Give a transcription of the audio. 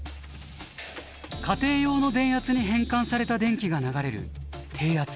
家庭用の電圧に変換された電気が流れる低圧線。